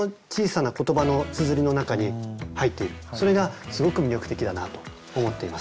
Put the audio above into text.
それがすごく魅力的だなと思っています。